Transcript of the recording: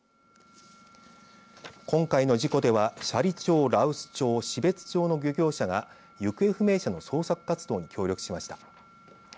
今回の事故では斜里町、羅臼町標津町の漁業者が行方不明者の捜索活動に協力しました。